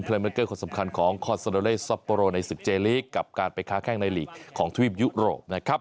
เพลงมันเกิดคนสำคัญของซอปโปโลในศึกเจลีกกับการไปค้าแข้งในหลีกของทวีปยูโรปนะครับ